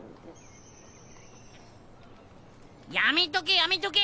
やめとけやめとけ。